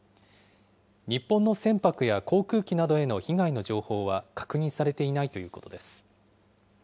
日本の船舶や航空機などへの被害の情報は確認されていないということです。